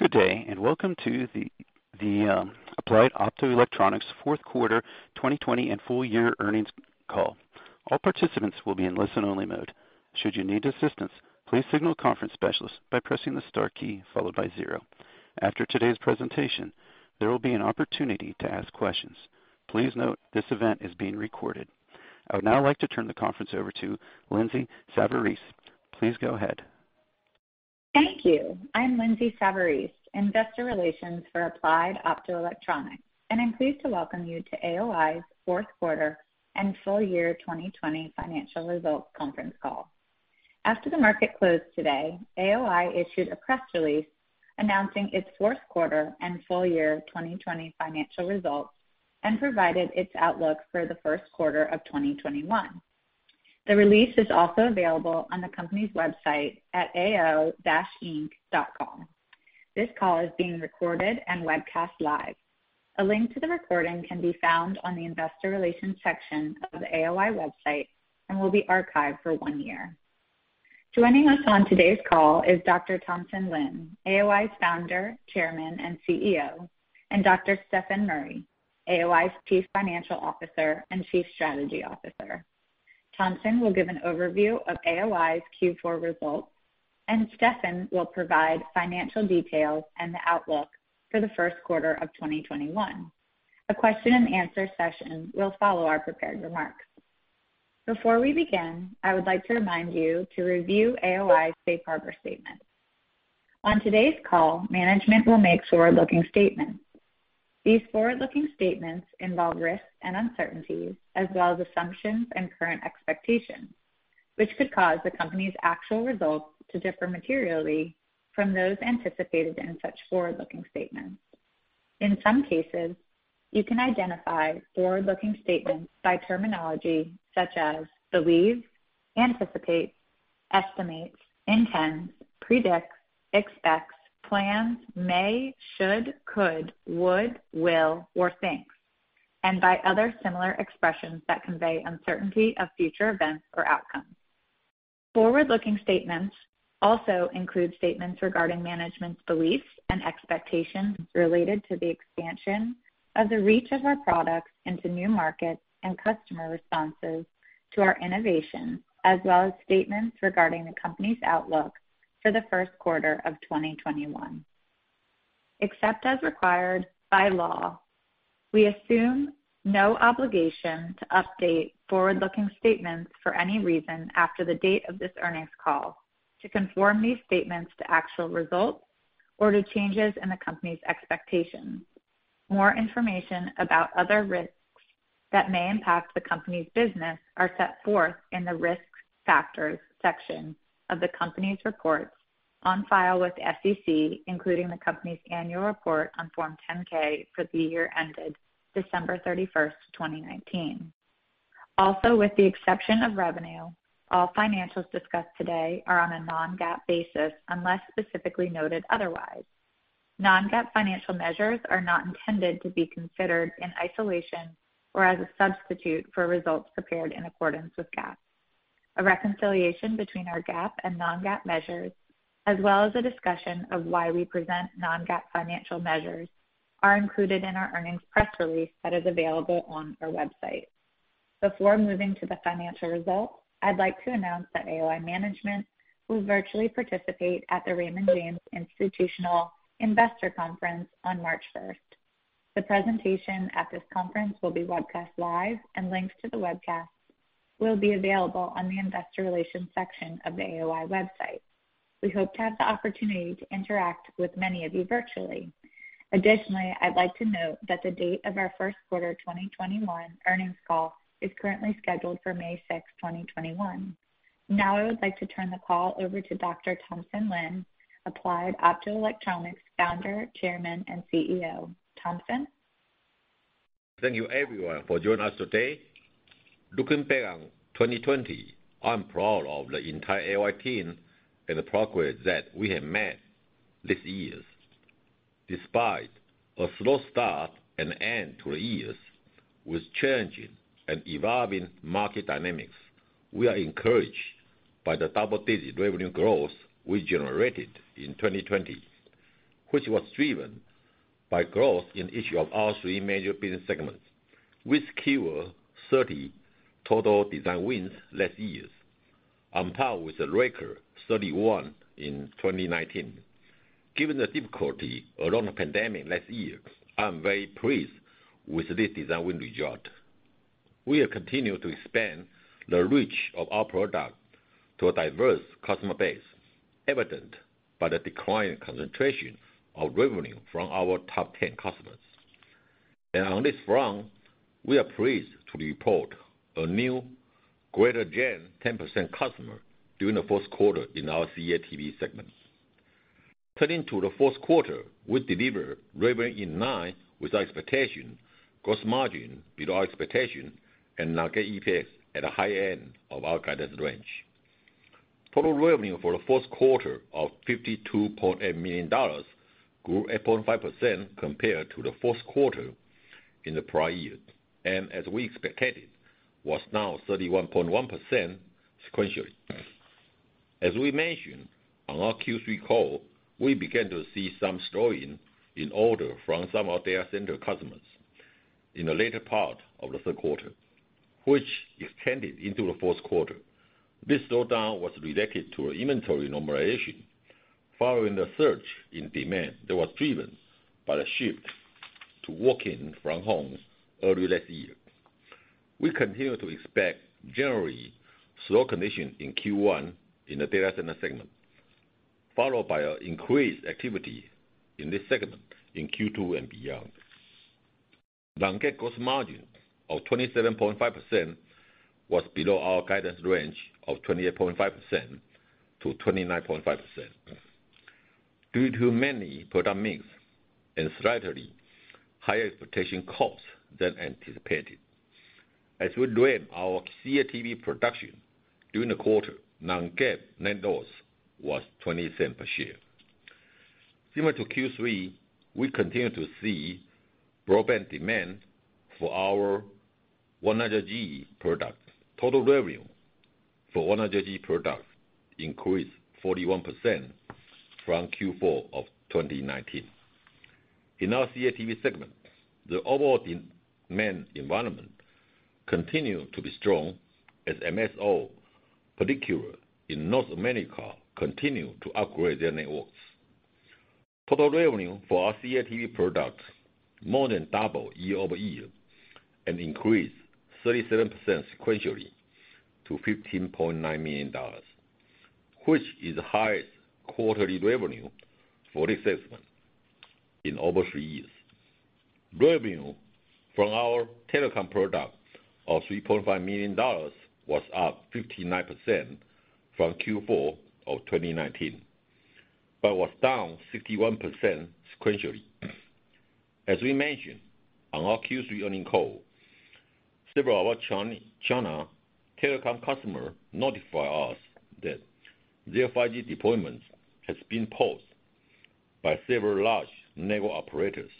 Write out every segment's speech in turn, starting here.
Good day, and welcome to the Applied Optoelectronics fourth quarter 2020 and full year earnings call. I would now like to turn the conference over to Lindsay Savarese. Please go ahead. Thank you. I'm Lindsay Savarese, Investor Relations for Applied Optoelectronics, and I'm pleased to welcome you to AOI's fourth quarter and full year 2020 financial results conference call. After the market closed today, AOI issued a press release announcing its fourth quarter and full year 2020 financial results, and provided its outlook for the first quarter of 2021. The release is also available on the company's website at ao-inc.com. This call is being recorded and webcast live. A link to the recording can be found on the Investor Relations section of the AOI website and will be archived for one year. Joining us on today's call is Dr. Thompson Lin, AOI's Founder, Chairman, and CEO, and Dr. Stefan Murry, AOI's Chief Financial Officer and Chief Strategy Officer. Thompson will give an overview of AOI's Q4 results, and Stephan will provide financial details and the outlook for the first quarter of 2021. A question and answer session will follow our prepared remarks. Before we begin, I would like to remind you to review AOI's safe harbor statement. On today's call, management will make forward-looking statements. These forward-looking statements involve risks and uncertainties as well as assumptions and current expectations, which could cause the company's actual results to differ materially from those anticipated in such forward-looking statements. In some cases, you can identify forward-looking statements by terminology such as believe, anticipate, estimate, intend, predict, expect, plan, may, should, could, would, will, or think, and by other similar expressions that convey uncertainty of future events or outcomes. Forward-looking statements also include statements regarding management's beliefs and expectations related to the expansion of the reach of our products into new markets and customer responses to our innovation, as well as statements regarding the company's outlook for the first quarter of 2021. Except as required by law, we assume no obligation to update forward-looking statements for any reason after the date of this earnings call to conform these statements to actual results or to changes in the company's expectations. More information about other risks that may impact the company's business are set forth in the Risk Factors section of the company's reports on file with the SEC, including the company's annual report on Form 10-K for the year ended December 31st, 2019. Also, with the exception of revenue, all financials discussed today are on a non-GAAP basis unless specifically noted otherwise. Non-GAAP financial measures are not intended to be considered in isolation or as a substitute for results prepared in accordance with GAAP. A reconciliation between our GAAP and non-GAAP measures, as well as a discussion of why we present non-GAAP financial measures, are included in our earnings press release that is available on our website. Before moving to the financial results, I'd like to announce that AOI management will virtually participate at the Raymond James Institutional Investors Conference on March first. The presentation at this conference will be webcast live, and links to the webcast will be available on the investor relations section of the AOI website. We hope to have the opportunity to interact with many of you virtually. Additionally, I'd like to note that the date of our first quarter 2021 earnings call is currently scheduled for May sixth, 2021. I would like to turn the call over to Dr. Thompson Lin, Applied Optoelectronics Founder, Chairman, and CEO. Thompson? Thank you everyone for joining us today. Looking back on 2020, I'm proud of the entire AOI team and the progress that we have made this year. Despite a slow start and end to the years with changing and evolving market dynamics, we are encouraged by the double-digit revenue growth we generated in 2020, which was driven by growth in each of our three major business segments. We secured 30 total design wins last year, on par with a record 31 in 2019. Given the difficulty around the pandemic last year, I'm very pleased with this design win result. We have continued to expand the reach of our product to a diverse customer base, evident by the decline in concentration of revenue from our top 10 customers. On this front, we are pleased to report a new Greater China 10% customer during the fourth quarter in our CATV segment. Turning to the fourth quarter, we delivered revenue in line with our expectation, gross margin below expectation, and non-GAAP EPS at the high end of our guidance range. Total revenue for the fourth quarter of $52.8 million grew 8.5% compared to the fourth quarter in the prior year. As we expected Was now 31.1% sequentially. As we mentioned on our Q3 call, we began to see some slowing in order from some of our data center customers in the later part of the third quarter, which extended into the fourth quarter. This slowdown was related to an inventory normalization following the surge in demand that was driven by the shift to working from home early last year. We continue to expect generally slow conditions in Q1 in the data center segment, followed by an increased activity in this segment in Q2 and beyond. Non-GAAP gross margin of 27.5% was below our guidance range of 28.5%-29.5%, due to many product mix and slightly higher expectation costs than anticipated. As we grew our CATV production during the quarter, non-GAAP net loss was $0.20 per share. Similar to Q3, we continued to see broadband demand for our 100G products. Total revenue for 100G products increased 41% from Q4 of 2019. In our CATV segment, the overall demand environment continued to be strong as MSO, particularly in North America, continued to upgrade their networks. Total revenue for our CATV products more than doubled year-over-year and increased 37% sequentially to $15.9 million, which is the highest quarterly revenue for this segment in over three years. Revenue from our telecom product of $3.5 million was up 59% from Q4 of 2019, but was down 51% sequentially. As we mentioned on our Q3 earnings call, several of our China telecom customer notify us that their 5G deployment has been paused by several large network operators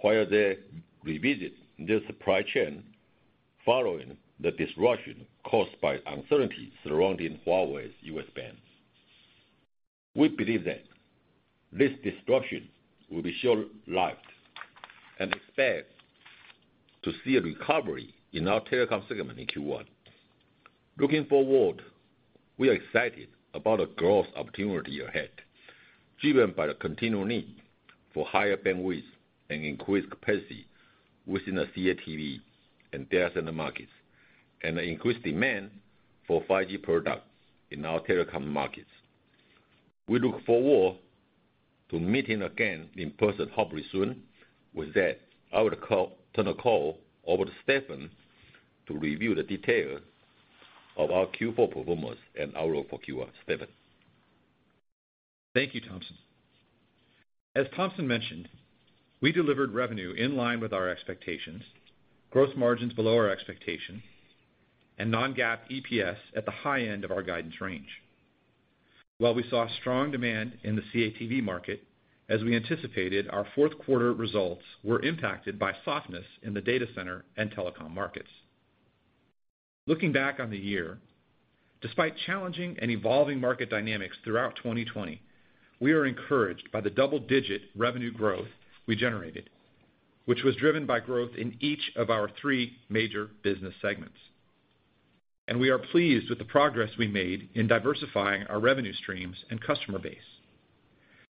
while they revisit their supply chain following the disruption caused by uncertainty surrounding Huawei's U.S. ban. We believe that this disruption will be short-lived and expect to see a recovery in our telecom segment in Q1. Looking forward, we are excited about the growth opportunity ahead, driven by the continued need for higher bandwidth and increased capacity within the CATV and data center markets, and the increased demand for 5G products in our telecom markets. We look forward to meeting again in person hopefully soon. With that, I would turn the call over to Stefan to review the details of our Q4 performance and outlook for Q1. Stefan? Thank you, Thompson. As Thompson mentioned, we delivered revenue in line with our expectations, gross margins below our expectation, and non-GAAP EPS at the high end of our guidance range. While we saw strong demand in the CATV market, as we anticipated, our fourth quarter results were impacted by softness in the data center and telecom markets. Looking back on the year, despite challenging and evolving market dynamics throughout 2020, we are encouraged by the double-digit revenue growth we generated, which was driven by growth in each of our three major business segments. We are pleased with the progress we made in diversifying our revenue streams and customer base.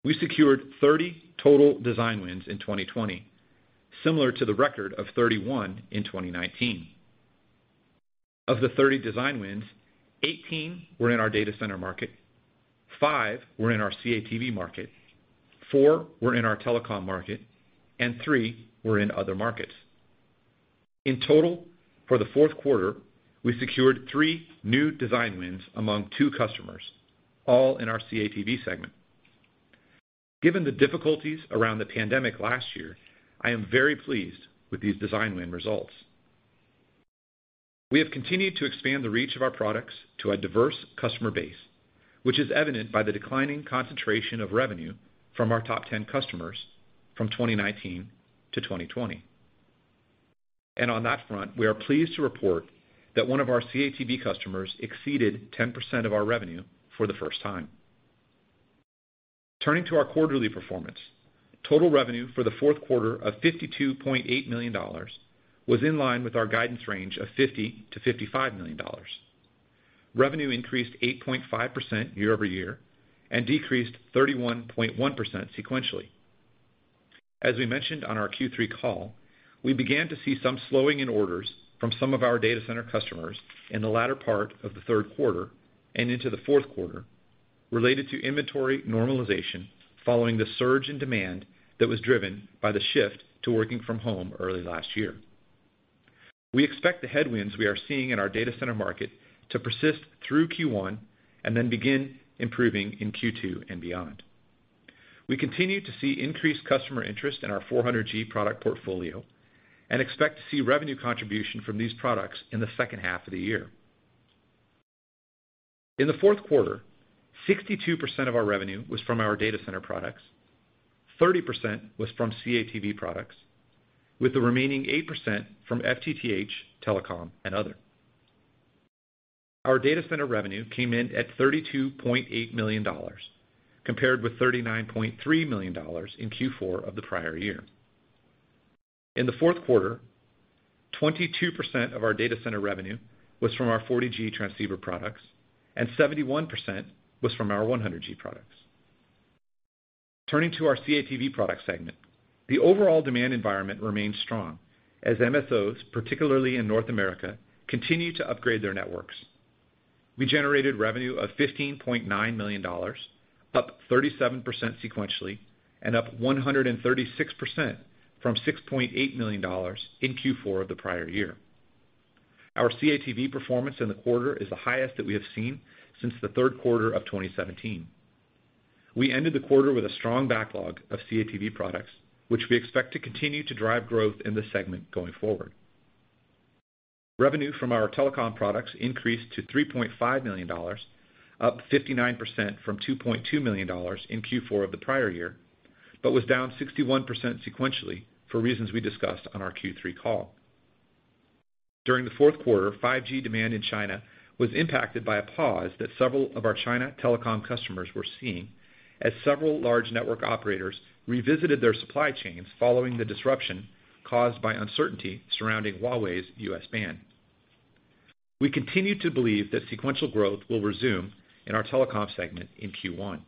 We secured 30 total design wins in 2020, similar to the record of 31 in 2019. Of the 30 design wins, 18 were in our data center market, five were in our CATV market, four were in our telecom market, and three were in other markets. In total, for the fourth quarter, we secured three new design wins among two customers, all in our CATV segment. Given the difficulties around the pandemic last year, I am very pleased with these design win results. We have continued to expand the reach of our products to a diverse customer base, which is evident by the declining concentration of revenue from our top 10 customers from 2019 to 2020. On that front, we are pleased to report that one of our CATV customers exceeded 10% of our revenue for the first time. Turning to our quarterly performance. Total revenue for the fourth quarter of $52.8 million was in line with our guidance range of $50 million-$55 million. Revenue increased 8.5% year-over-year and decreased 31.1% sequentially. As we mentioned on our Q3 call, we began to see some slowing in orders from some of our data center customers in the latter part of the third quarter and into the fourth quarter, related to inventory normalization following the surge in demand that was driven by the shift to working from home early last year. We expect the headwinds we are seeing in our data center market to persist through Q1 and then begin improving in Q2 and beyond. We continue to see increased customer interest in our 400G product portfolio and expect to see revenue contribution from these products in the second half of the year. In the fourth quarter, 62% of our revenue was from our data center products, 30% was from CATV products, with the remaining 8% from FTTH, telecom, and other. Our data center revenue came in at $32.8 million, compared with $39.3 million in Q4 of the prior year. In the fourth quarter, 22% of our data center revenue was from our 40G transceiver products, and 71% was from our 100G products. Turning to our CATV product segment, the overall demand environment remained strong as MSOs, particularly in North America, continue to upgrade their networks. We generated revenue of $15.9 million, up 37% sequentially and up 136% from $6.8 million in Q4 of the prior year. Our CATV performance in the quarter is the highest that we have seen since the third quarter of 2017. We ended the quarter with a strong backlog of CATV products, which we expect to continue to drive growth in the segment going forward. Revenue from our telecom products increased to $3.5 million, up 59% from $2.2 million in Q4 of the prior year, but was down 61% sequentially for reasons we discussed on our Q3 call. During the fourth quarter, 5G demand in China was impacted by a pause that several of our China telecom customers were seeing, as several large network operators revisited their supply chains following the disruption caused by uncertainty surrounding Huawei's U.S. ban. We continue to believe that sequential growth will resume in our telecom segment in Q1.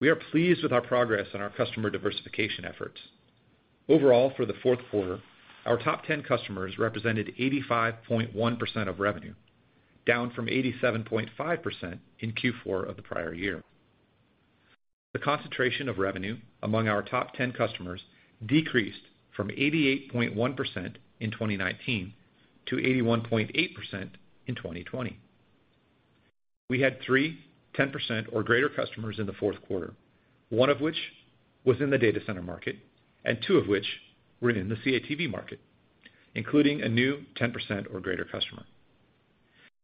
We are pleased with our progress on our customer diversification efforts. Overall, for the fourth quarter, our top 10 customers represented 85.1% of revenue, down from 87.5% in Q4 of the prior year. The concentration of revenue among our top 10 customers decreased from 88.1% in 2019 to 81.8% in 2020. We had three 10% or greater customers in the fourth quarter, one of which was in the data center market and two of which were in the CATV market, including a new 10% or greater customer.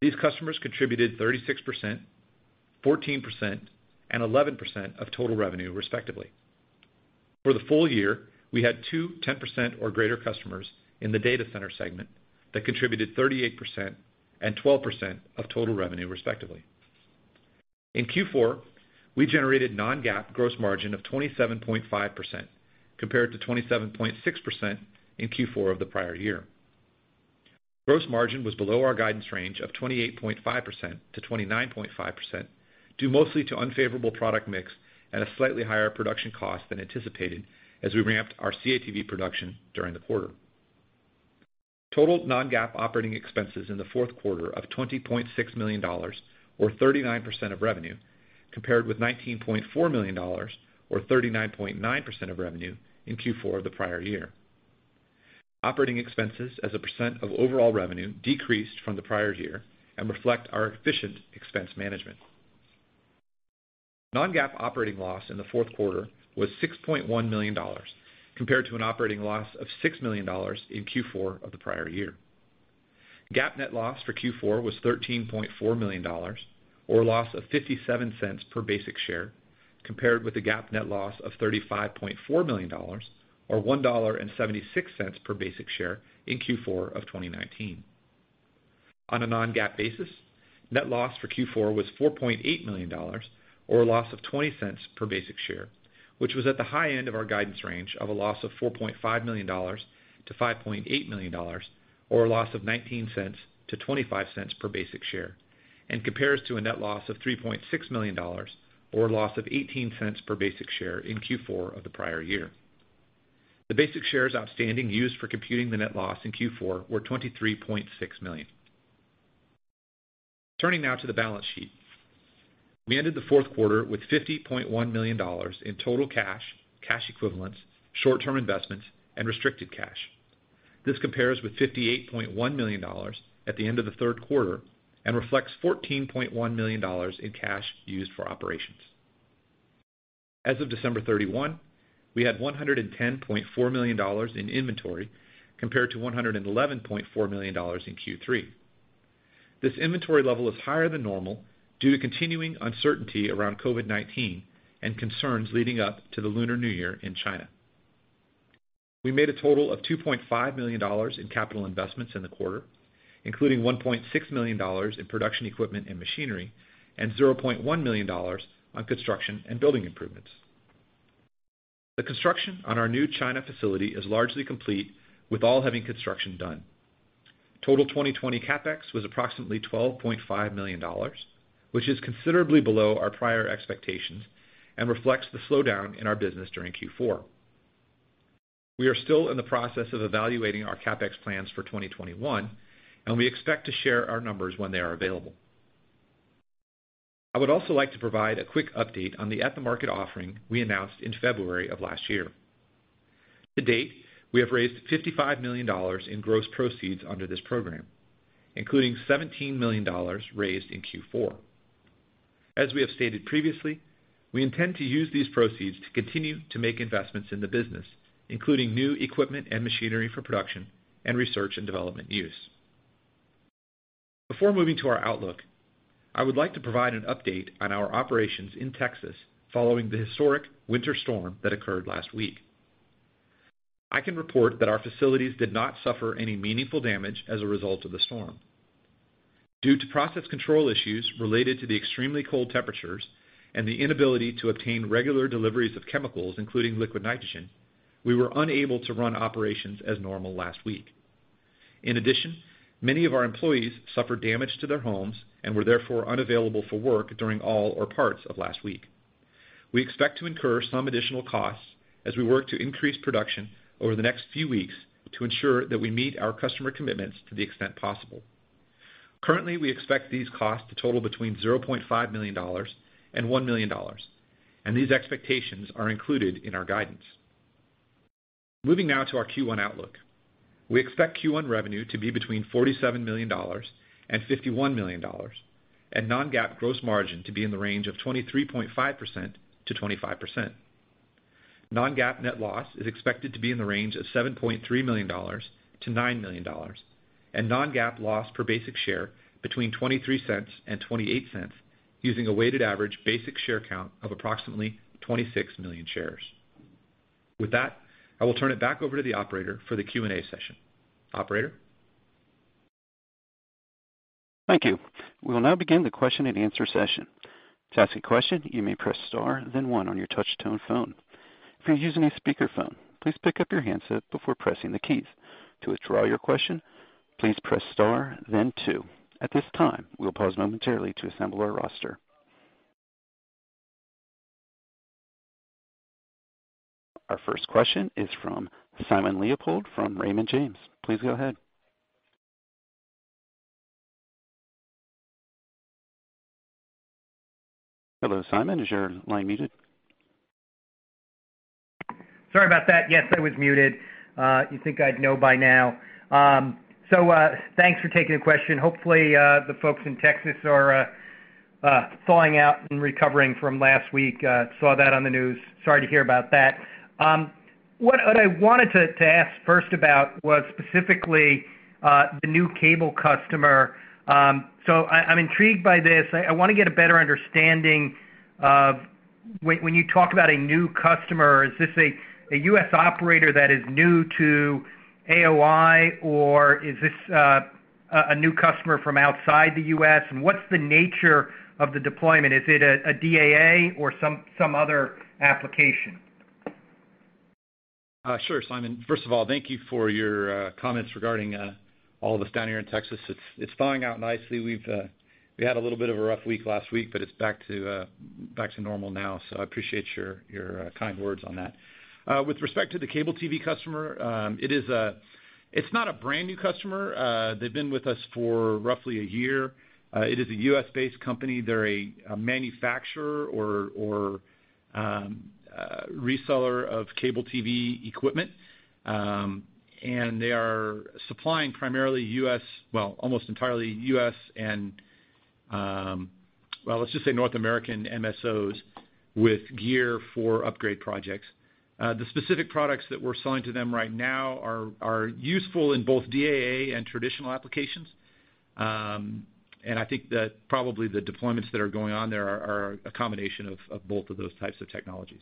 These customers contributed 36%, 14% and 11% of total revenue respectively. For the full year, we had two 10% or greater customers in the data center segment that contributed 38% and 12% of total revenue respectively. In Q4, we generated non-GAAP gross margin of 27.5%, compared to 27.6% in Q4 of the prior year. Gross margin was below our guidance range of 28.5%-29.5%, due mostly to unfavorable product mix at a slightly higher production cost than anticipated as we ramped our CATV production during the quarter. Total non-GAAP operating expenses in the fourth quarter of $20.6 million or 39% of revenue, compared with $19.4 million or 39.9% of revenue in Q4 of the prior year. Operating expenses as a percent of overall revenue decreased from the prior year and reflect our efficient expense management. Non-GAAP operating loss in the fourth quarter was $6.1 million, compared to an operating loss of $6 million in Q4 of the prior year. GAAP net loss for Q4 was $13.4 million, or a loss of $0.57 per basic share, compared with the GAAP net loss of $35.4 million, or $1.76 per basic share in Q4 of 2019. On a non-GAAP basis, net loss for Q4 was $4.8 million, or a loss of $0.20 per basic share, which was at the high end of our guidance range of a loss of $4.5 million-$5.8 million, or a loss of $0.19-$0.25 per basic share, and compares to a net loss of $3.6 million, or a loss of $0.18 per basic share in Q4 of the prior year. The basic shares outstanding used for computing the net loss in Q4 were 23.6 million. Turning now to the balance sheet. We ended the fourth quarter with $50.1 million in total cash equivalents, short-term investments, and restricted cash. This compares with $58.1 million at the end of the third quarter and reflects $14.1 million in cash used for operations. As of December 31, we had $110.4 million in inventory, compared to $111.4 million in Q3. This inventory level is higher than normal due to continuing uncertainty around COVID-19 and concerns leading up to the Lunar New Year in China. We made a total of $2.5 million in capital investments in the quarter, including $1.6 million in production equipment and machinery and $0.1 million on construction and building improvements. The construction on our new China facility is largely complete, with all heavy construction done. Total 2020 CapEx was approximately $12.5 million, which is considerably below our prior expectations and reflects the slowdown in our business during Q4. We are still in the process of evaluating our CapEx plans for 2021, and we expect to share our numbers when they are available. I would also like to provide a quick update on the at-the-market offering we announced in February of last year. To date, we have raised $55 million in gross proceeds under this program, including $17 million raised in Q4. As we have stated previously, we intend to use these proceeds to continue to make investments in the business, including new equipment and machinery for production and research and development use. Before moving to our outlook, I would like to provide an update on our operations in Texas following the historic winter storm that occurred last week. I can report that our facilities did not suffer any meaningful damage as a result of the storm. Due to process control issues related to the extremely cold temperatures and the inability to obtain regular deliveries of chemicals, including liquid nitrogen, we were unable to run operations as normal last week. In addition, many of our employees suffered damage to their homes and were therefore unavailable for work during all or parts of last week. We expect to incur some additional costs as we work to increase production over the next few weeks to ensure that we meet our customer commitments to the extent possible. Currently, we expect these costs to total between $0.5 million and $1 million, and these expectations are included in our guidance. Moving now to our Q1 outlook. We expect Q1 revenue to be between $47 million and $51 million, and non-GAAP gross margin to be in the range of 23.5% to 25%. Non-GAAP net loss is expected to be in the range of $7.3 million to $9 million, and non-GAAP loss per basic share between $0.23 and $0.28, using a weighted average basic share count of approximately 26 million shares. With that, I will turn it back over to the operator for the Q&A session. Operator? Thank you. We will now begin the question and answer session. At this time, we'll pause momentarily to assemble our roster. Our first question is from Simon Leopold from Raymond James. Please go ahead. Hello, Simon. Is your line muted? Sorry about that. Yes, I was muted. You think I'd know by now. Thanks for taking the question. Hopefully, the folks in Texas are thawing out and recovering from last week. Saw that on the news. Sorry to hear about that. What I wanted to ask first about was specifically the new cable customer. I'm intrigued by this. I want to get a better understanding of when you talk about a new customer, is this a U.S. operator that is new to AOI, or is this a new customer from outside the U.S.? What's the nature of the deployment? Is it a DAA or some other application? Sure, Simon. First of all, thank you for your comments regarding all of us down here in Texas. It's thawing out nicely. We had a little bit of a rough week last week, but it's back to normal now. I appreciate your kind words on that. With respect to the cable TV customer, it's not a brand-new customer. They've been with us for roughly a year. It is a U.S.-based company. They're a manufacturer or reseller of cable TV equipment, and they are supplying primarily U.S., well, almost entirely U.S. and, well, let's just say North American MSOs with gear for upgrade projects. The specific products that we're selling to them right now are useful in both DAA and traditional applications. I think that probably the deployments that are going on there are a combination of both of those types of technologies.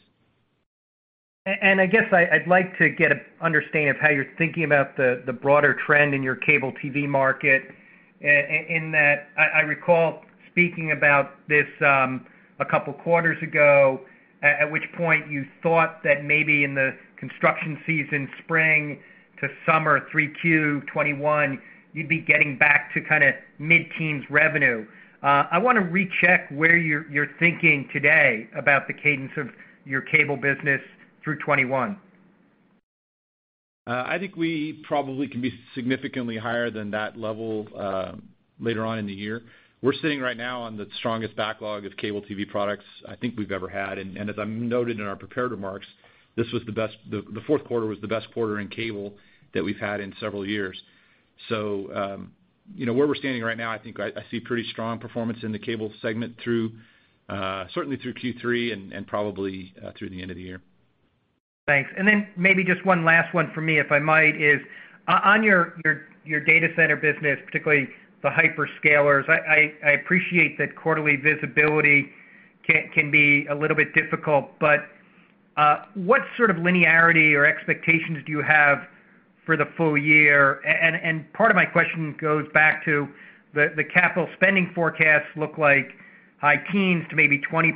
I guess I'd like to get an understanding of how you're thinking about the broader trend in your cable TV market, in that I recall speaking about this a couple of quarters ago, at which point you thought that maybe in the construction season, spring to summer 3Q '21, you'd be getting back to mid-teens revenue. I want to recheck where you're thinking today about the cadence of your cable business through 2021. I think we probably can be significantly higher than that level later on in the year. We're sitting right now on the strongest backlog of cable TV products I think we've ever had. As I noted in our prepared remarks, the fourth quarter was the best quarter in cable that we've had in several years. Where we're standing right now, I think I see pretty strong performance in the cable segment certainly through Q3 and probably through the end of the year. Thanks. Maybe just one last one for me, if I might, is on your data center business, particularly the hyperscalers. I appreciate that quarterly visibility can be a little bit difficult, but what sort of linearity or expectations do you have for the full year? Part of my question goes back to the capital spending forecasts look like high teens to maybe 20%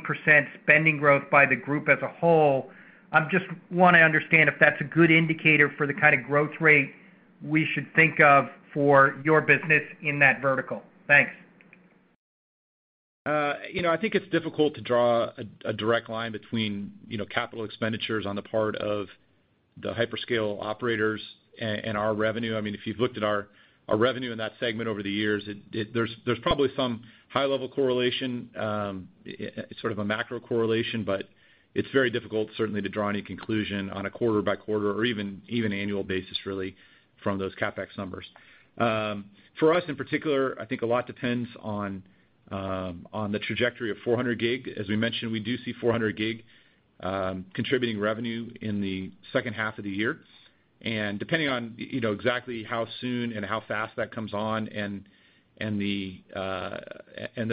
spending growth by the group as a whole. I just want to understand if that's a good indicator for the kind of growth rate we should think of for your business in that vertical. Thanks. I think it's difficult to draw a direct line between capital expenditures on the part of the hyperscale operators and our revenue, if you've looked at our revenue in that segment over the years, there's probably some high-level correlation, sort of a macro correlation, but it's very difficult certainly to draw any conclusion on a quarter by quarter or even annual basis, really, from those CapEx numbers. For us, in particular, I think a lot depends on the trajectory of 400G. As we mentioned, we do see 400G contributing revenue in the second half of the year. Depending on exactly how soon and how fast that comes on and the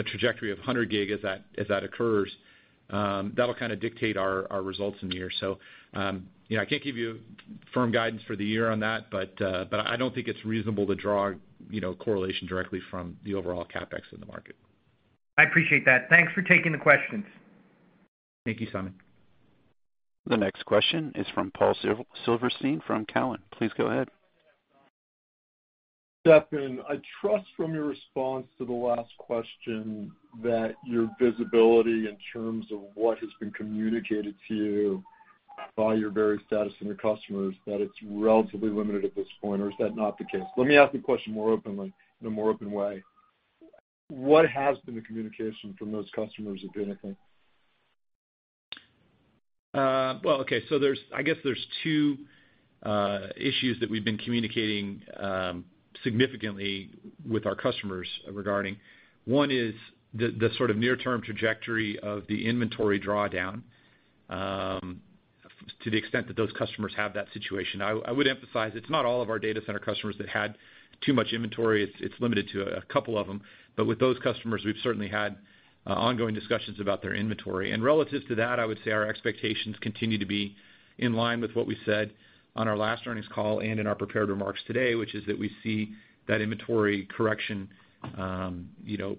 trajectory of 100G as that occurs, that'll kind of dictate our results in the year. I can't give you firm guidance for the year on that, but I don't think it's reasonable to draw correlation directly from the overall CapEx in the market. I appreciate that. Thanks for taking the questions. Thank you, Simon. The next question is from Paul Silverstein from Cowen. Please go ahead. Stefan, I trust from your response to the last question that your visibility in terms of what has been communicated to you by your various status and your customers, that it's relatively limited at this point, or is that not the case? Let me ask the question more openly, in a more open way. What has been the communication from those customers, if anything? Well, okay. I guess there's two issues that we've been communicating significantly with our customers regarding. One is the sort of near-term trajectory of the inventory drawdown, to the extent that those customers have that situation. I would emphasize it's not all of our data center customers that had too much inventory. It's limited to a couple of them. With those customers, we've certainly had ongoing discussions about their inventory. Relative to that, I would say our expectations continue to be in line with what we said on our last earnings call and in our prepared remarks today, which is that we see that inventory correction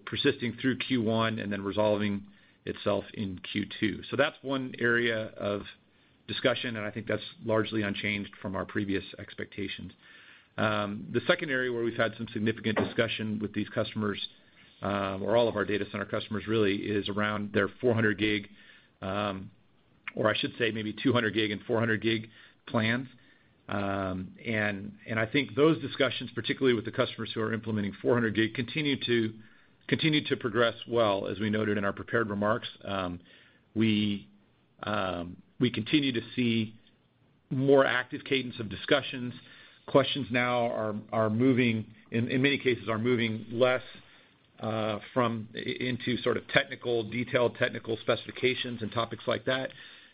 persisting through Q1 and then resolving itself in Q2. That's one area of discussion, and I think that's largely unchanged from our previous expectations. The second area where we've had some significant discussion with these customers, or all of our data center customers really, is around their 400G, or I should say maybe 200G and 400G plans. I think those discussions, particularly with the customers who are implementing 400G, continue to progress well, as we noted in our prepared remarks. We continue to see more active cadence of discussions. Questions now, in many cases, are moving less from into sort of detailed technical specifications and topics like that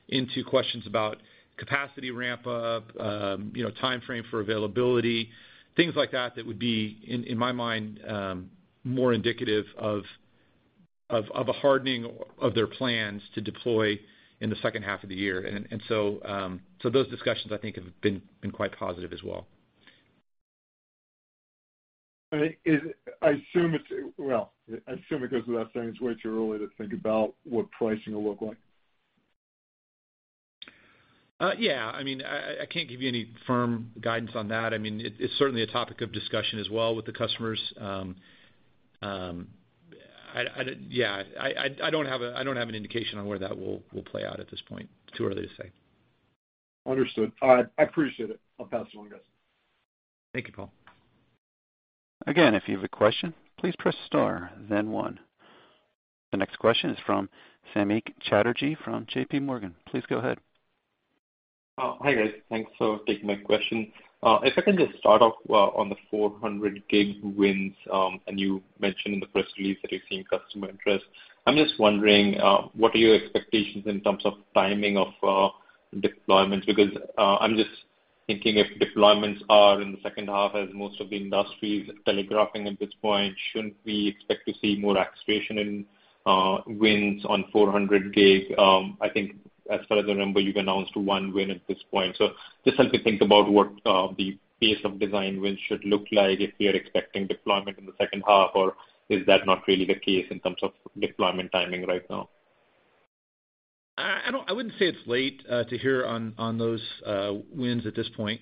into questions about capacity ramp up, time frame for availability, things like that that would be, in my mind, more indicative of a hardening of their plans to deploy in the second half of the year. Those discussions, I think, have been quite positive as well. Well, I assume it goes without saying it's way too early to think about what pricing will look like. I can't give you any firm guidance on that. It's certainly a topic of discussion as well with the customers. I don't have an indication on where that will play out at this point. Too early to say. Understood. All right. I appreciate it. I'll pass it on, guys. Thank you, Paul. Again, if you have a question, please press star then one. The next question is from Samik Chatterjee from JP Morgan. Please go ahead. Hi, guys. Thanks for taking my question. If I can just start off on the 400G wins, and you mentioned in the press release that you're seeing customer interest. I'm just wondering, what are your expectations in terms of timing of deployments? I'm just thinking if deployments are in the second half as most of the industry's telegraphing at this point, shouldn't we expect to see more acceleration in wins on 400G? I think as far as the number, you've announced one win at this point. Just help me think about what the pace of design wins should look like if we are expecting deployment in the second half, or is that not really the case in terms of deployment timing right now? I wouldn't say it's late to hear on those wins at this point.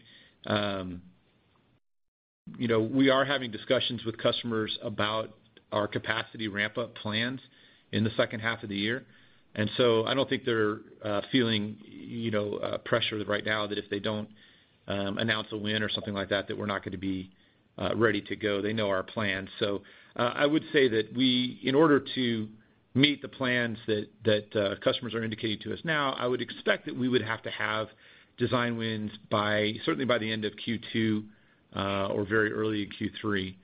We are having discussions with customers about our capacity ramp-up plans in the second half of the year. I don't think they're feeling pressure right now that if they don't announce a win or something like that we're not going to be ready to go. They know our plan. I would say that in order to meet the plans that customers are indicating to us now, I would expect that we would have to have design wins certainly by the end of Q2 or very early Q3.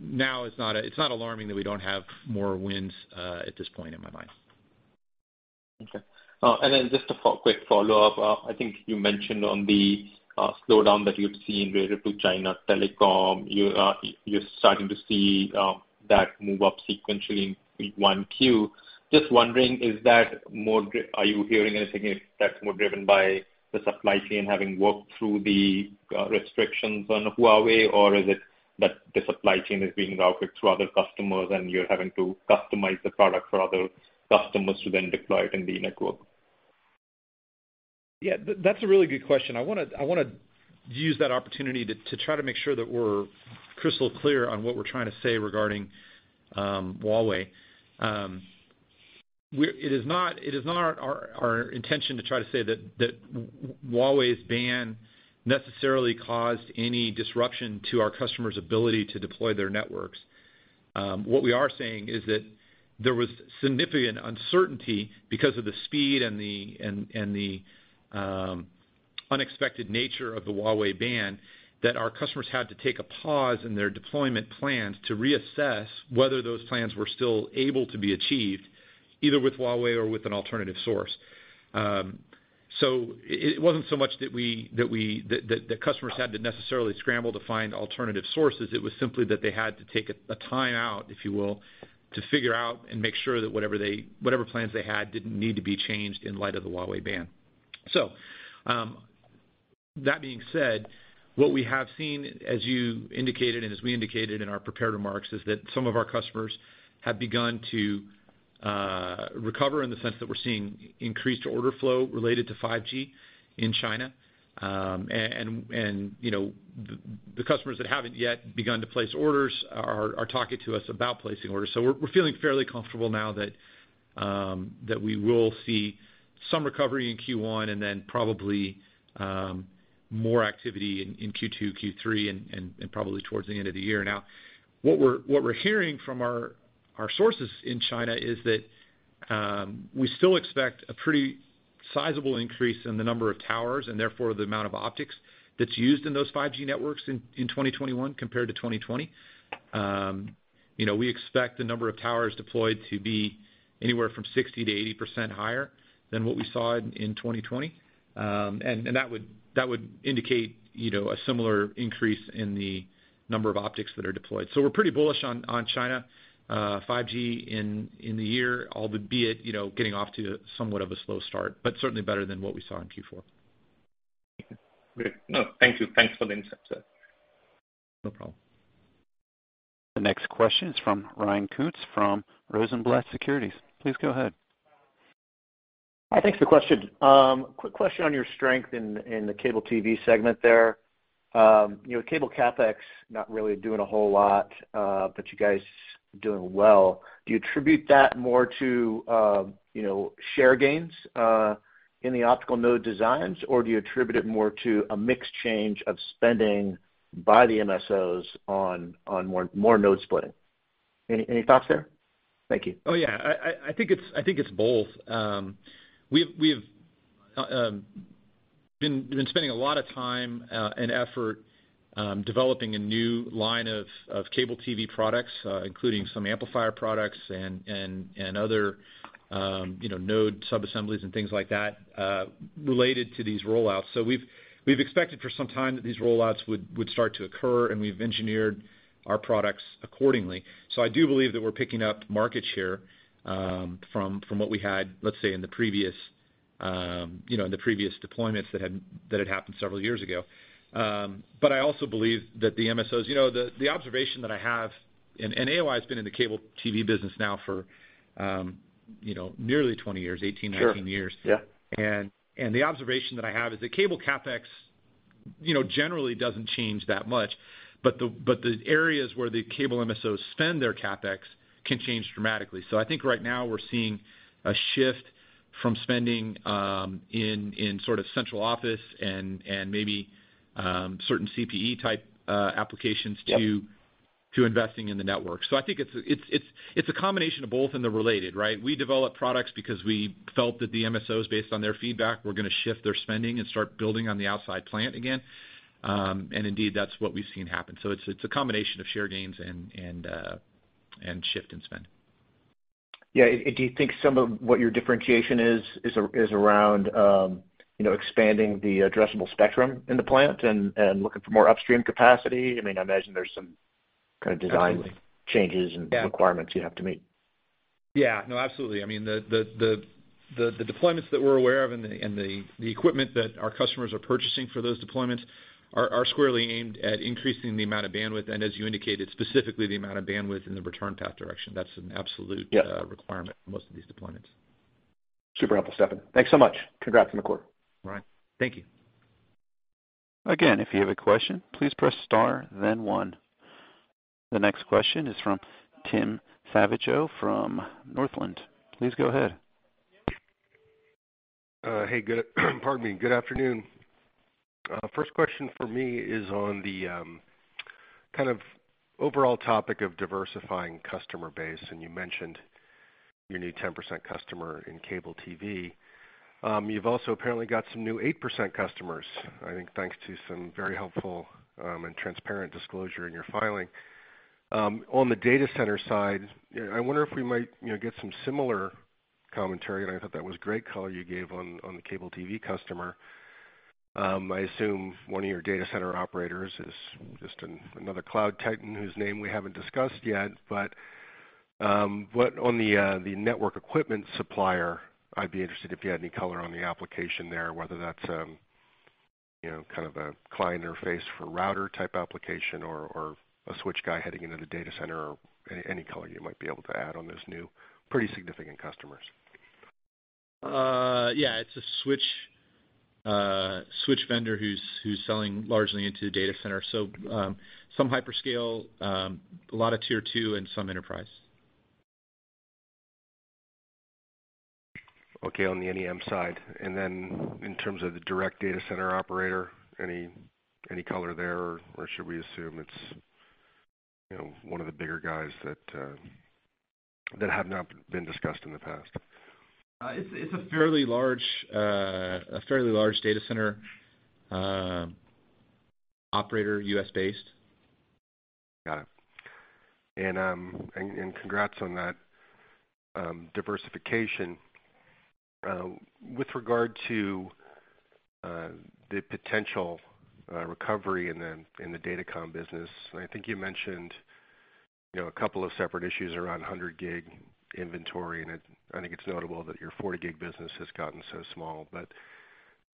Now it's not alarming that we don't have more wins at this point in my mind. Okay. Just a quick follow-up. I think you mentioned on the slowdown that you've seen related to China Telecom, you're starting to see that move up sequentially in 1Q. Just wondering, are you hearing anything that's more driven by the supply chain having worked through the restrictions on Huawei? Or is it that the supply chain is being routed through other customers and you're having to customize the product for other customers to then deploy it in the network? That's a really good question. I want to use that opportunity to try to make sure that we're crystal clear on what we're trying to say regarding Huawei. It is not our intention to try to say that Huawei's ban necessarily caused any disruption to our customers' ability to deploy their networks. We are saying is that there was significant uncertainty because of the speed and the unexpected nature of the Huawei ban, that our customers had to take a pause in their deployment plans to reassess whether those plans were still able to be achieved, either with Huawei or with an alternative source. It wasn't so much that the customers had to necessarily scramble to find alternative sources. It was simply that they had to take a time out, if you will, to figure out and make sure that whatever plans they had didn't need to be changed in light of the Huawei ban. That being said, what we have seen, as you indicated, and as we indicated in our prepared remarks, is that some of our customers have begun to recover in the sense that we're seeing increased order flow related to 5G in China. The customers that haven't yet begun to place orders are talking to us about placing orders. We're feeling fairly comfortable now that we will see some recovery in Q1 and then probably more activity in Q2, Q3, and probably towards the end of the year. Now, what we're hearing from our sources in China is that we still expect a pretty sizable increase in the number of towers, and therefore the amount of optics that's used in those 5G networks in 2021 compared to 2020. We expect the number of towers deployed to be anywhere from 60%-80% higher than what we saw in 2020. And that would indicate a similar increase in the number of optics that are deployed. So we're pretty bullish on China 5G in the year, albeit getting off to somewhat of a slow start, but certainly better than what we saw in Q4. Great. No, thank you. Thanks for the insight, sir. No problem. The next question is from Ryan Koontz from Rosenblatt Securities. Please go ahead. Hi. Thanks for the question. Quick question on your strength in the cable TV segment there. Cable CapEx, not really doing a whole lot, but you guys doing well. Do you attribute that more to share gains in the optical node designs, or do you attribute it more to a mix change of spending by the MSOs on more node splitting? Any thoughts there? Thank you. Oh, yeah. I think it's both. We've been spending a lot of time and effort developing a new line of cable TV products, including some amplifier products and other node sub-assemblies and things like that related to these rollouts. We've expected for some time that these rollouts would start to occur, and we've engineered our products accordingly. I do believe that we're picking up market share from what we had, let's say, in the previous deployments that had happened several years ago. I also believe that the MSOs, the observation that I have, and AOI has been in the cable TV business now for nearly 20 years. Sure. 18, 19 years. Yeah. The observation that I have is that cable CapEx generally doesn't change that much, but the areas where the cable MSOs spend their CapEx can change dramatically. I think right now we're seeing a shift from spending in sort of central office and maybe certain CPE type applications to investing in the network. I think it's a combination of both and they're related, right? We develop products because we felt that the MSOs, based on their feedback, were going to shift their spending and start building on the outside plant again. Indeed, that's what we've seen happen. It's a combination of share gains and shift in spend. Yeah. Do you think some of what your differentiation is around expanding the addressable spectrum in the plant and looking for more upstream capacity? Absolutely changes and requirements you have to meet. Yeah. No, absolutely. The deployments that we're aware of and the equipment that our customers are purchasing for those deployments are squarely aimed at increasing the amount of bandwidth, and as you indicated, specifically the amount of bandwidth in the return path direction. That's an absolute. Yeah requirement for most of these deployments. Super helpful, Stefan. Thanks so much. Congrats on the quarter. Ryan, thank you. Again, if you have a question, please press star then one. The next question is from Tim Savageaux from Northland. Please go ahead. Pardon me. Good afternoon. First question for me is on the kind of overall topic of diversifying customer base, and you mentioned your new 10% customer in cable TV. You've also apparently got some new 8% customers, I think thanks to some very helpful and transparent disclosure in your filing. On the data center side, I wonder if we might get some similar commentary, and I thought that was great color you gave on the cable TV customer. I assume one of your data center operators is just another cloud titan whose name we haven't discussed yet, but on the network equipment supplier, I'd be interested if you had any color on the application there, whether that's kind of a client interface for router type application or a switch guy heading into the data center or any color you might be able to add on those new pretty significant customers. It's a switch vendor who's selling largely into the data center, so some hyperscale, a lot of tier 2, and some enterprise. Okay, on the NEM side. In terms of the direct data center operator, any color there, or should we assume it's one of the bigger guys that have not been discussed in the past? It's a fairly large data center operator, U.S.-based. Got it. Congrats on that diversification. With regard to the potential recovery in the Datacom business, I think you mentioned a couple of separate issues around 100G inventory, and I think it's notable that your 40G business has gotten so small.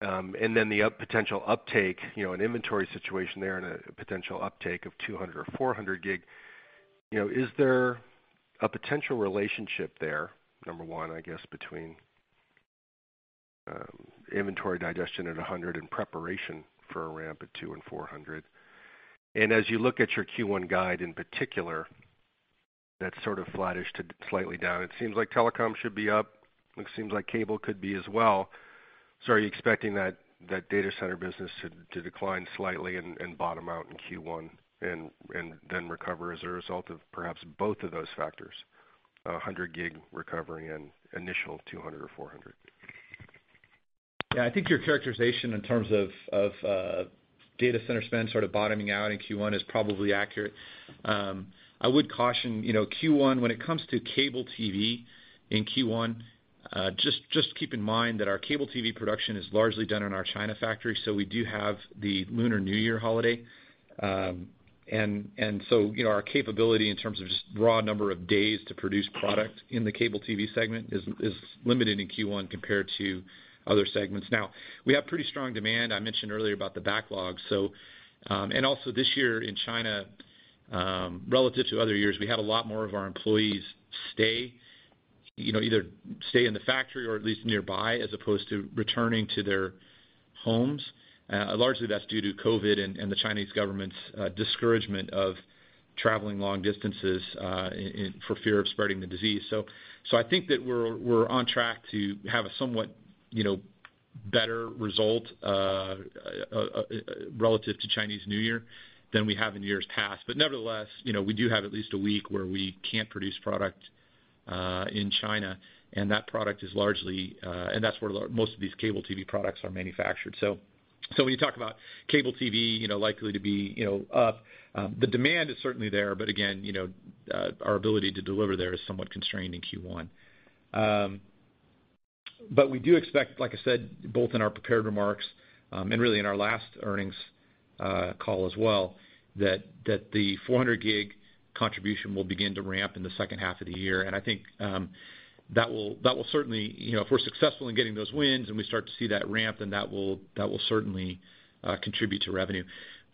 The potential uptake, an inventory situation there and a potential uptake of 200 or 400G. Is there a potential relationship there, number one, I guess, between inventory digestion at 100 in preparation for a ramp at 200 and 400? As you look at your Q1 guide in particular, that's sort of flattish to slightly down. It seems like telecom should be up, it seems like cable could be as well. Are you expecting that data center business to decline slightly and bottom out in Q1, and then recover as a result of perhaps both of those factors, 100G recovering and initial 200 or 400? I think your characterization in terms of data center spend sort of bottoming out in Q1 is probably accurate. I would caution, Q1, when it comes to cable TV in Q1, just keep in mind that our cable TV production is largely done in our China factory, so we do have the Lunar New Year holiday. Our capability in terms of just raw number of days to produce product in the cable TV segment is limited in Q1 compared to other segments. Now, we have pretty strong demand. I mentioned earlier about the backlog. Also this year in China, relative to other years, we had a lot more of our employees either stay in the factory or at least nearby, as opposed to returning to their homes. Largely that's due to COVID and the Chinese government's discouragement of traveling long distances for fear of spreading the disease. I think that we're on track to have a somewhat better result relative to Chinese New Year than we have in years past. Nevertheless, we do have at least a week where we can't produce product in China, and that's where most of these cable TV products are manufactured. When you talk about cable TV likely to be up, the demand is certainly there, but again, our ability to deliver there is somewhat constrained in Q1. We do expect, like I said, both in our prepared remarks, and really in our last earnings call as well, that the 400G contribution will begin to ramp in the second half of the year. I think that will certainly, if we're successful in getting those wins and we start to see that ramp, then that will certainly contribute to revenue.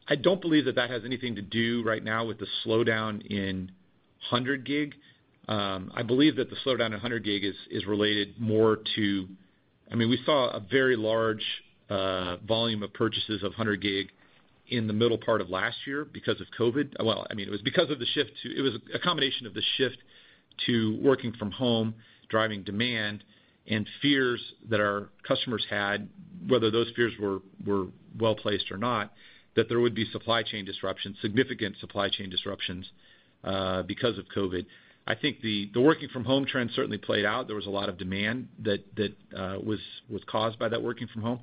I don't believe that that has anything to do right now with the slowdown in 100G. I believe that the slowdown in 100G is related more to we saw a very large volume of purchases of 100G in the middle part of last year because of COVID. Well, it was a combination of the shift to working from home driving demand, and fears that our customers had, whether those fears were well-placed or not, that there would be supply chain disruptions, significant supply chain disruptions, because of COVID. I think the working from home trend certainly played out. There was a lot of demand that was caused by that working from home.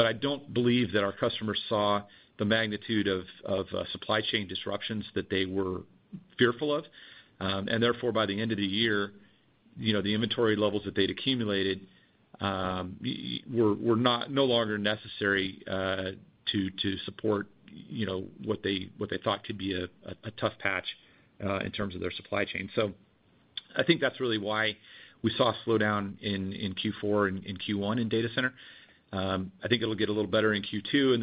I don't believe that our customers saw the magnitude of supply chain disruptions that they were fearful of. Therefore, by the end of the year, the inventory levels that they'd accumulated were no longer necessary to support what they thought to be a tough patch in terms of their supply chain. I think that's really why we saw a slowdown in Q4 and Q1 in data center. I think it'll get a little better in Q2,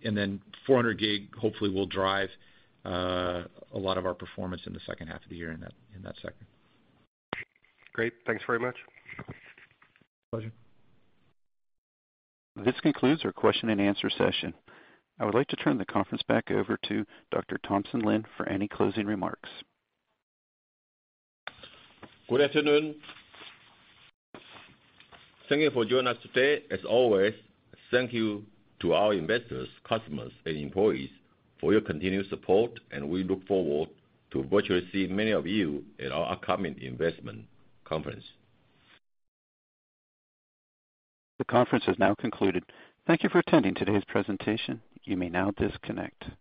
and then 400G hopefully will drive a lot of our performance in the second half of the year in that sector. Great. Thanks very much. Pleasure. This concludes our question and answer session. I would like to turn the conference back over to Dr. Thompson Lin for any closing remarks. Good afternoon. Thank you for joining us today. As always, thank you to our investors, customers, and employees for your continued support. We look forward to virtually seeing many of you at our upcoming investment conference. The conference has now concluded. Thank you for attending today's presentation. You may now disconnect.